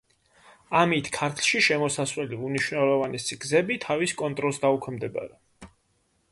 ამით ქართლში შემოსასვლელი უმნიშვნელოვანესი გზები თავის კონტროლს დაუქვემდებარა.